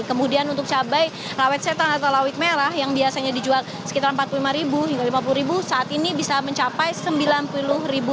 kemudian untuk cabai rawit setan atau rawit merah yang biasanya dijual sekitar rp empat puluh lima hingga rp lima puluh saat ini bisa mencapai rp sembilan puluh